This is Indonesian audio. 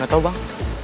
gak tau bang